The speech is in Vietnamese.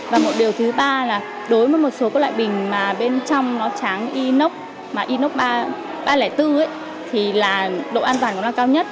và một điều thứ ba là đối với một số loại bình mà bên trong nó tráng inox mà inox ba ba trăm linh bốn thì là độ an toàn của nó cao nhất